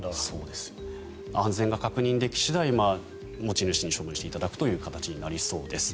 安全が確認でき次第持ち主に処分していただくという形になりそうです。